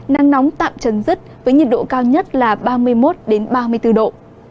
nắng nóng tạm trần dứt với nhiệt độ cao nhất là ba mươi một đến ba mươi bốn độ